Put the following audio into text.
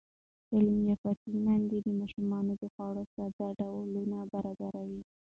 تعلیم یافته میندې د ماشومانو د خوړو ساده ډولونه برابروي.